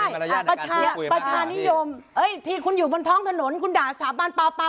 ประชานิยมที่คุณอยู่บนท้องถนนคุณด่าสถาบันเปล่า